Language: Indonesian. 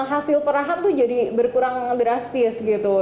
hasil perahan tuh jadi berkurang drastis gitu